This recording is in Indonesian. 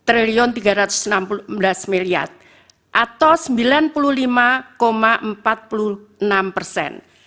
rp delapan puluh tiga tiga ratus enam belas atau sembilan puluh lima empat puluh enam persen